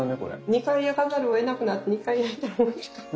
２回焼かざるをえなくなって２回焼いたらおいしかった。